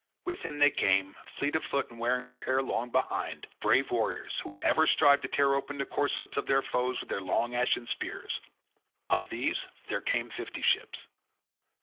With him they came, fleet of foot and wearing their hair long behind, brave warriors, who would ever strive to tear open the corslets of their foes with their long ashen spears. Of these there came fifty ships.